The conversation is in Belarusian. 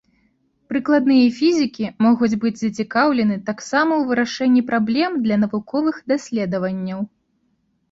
Прыкладныя фізікі могуць быць зацікаўлены таксама ў вырашэнні праблем для навуковых даследаванняў.